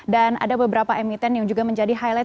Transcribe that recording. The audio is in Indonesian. dan ada beberapa emiten yang juga menjadi highlight